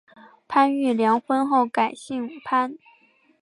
潘玉良婚后改姓潘。